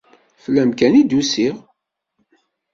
Fell-am kan i d-usiɣ.